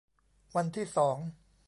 วันที่สอง